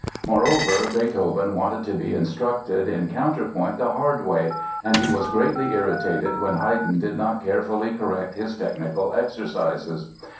Moreover, Beethoven wanted to be instructed in counterpoint the hard way; and he was greatly irritated when Haydn did not carefully correct his technical exercises.